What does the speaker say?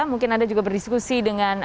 mungkin anda juga berdiskusi dengan